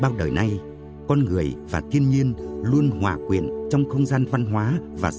bao đời nay con người và thiên nhiên luôn hòa quyền trong không gian văn hóa và sinh sống